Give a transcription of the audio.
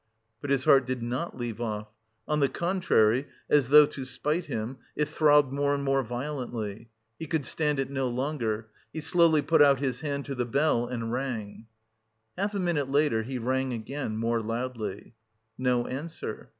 But his heart did not leave off. On the contrary, as though to spite him, it throbbed more and more violently. He could stand it no longer, he slowly put out his hand to the bell and rang. Half a minute later he rang again, more loudly. No answer.